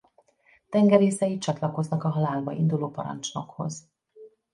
Tengerészei csatlakoznak a halálba induló parancsnokhoz.